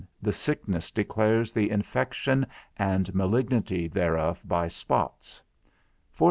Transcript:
The sickness declares the infection and malignity thereof by spots 83 14.